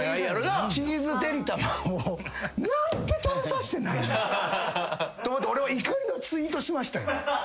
チーズてりたまを何で食べさせてないねん！と思って俺は怒りのツイートしましたよ。